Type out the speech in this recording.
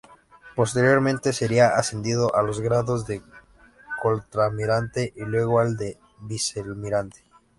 Posteriormente sería ascendido a los grados de Contraalmirante y luego al de Vicealmirante.